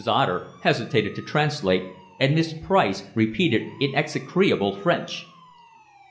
Otter hesitated to translate, and Miss Price repeated in execrable French.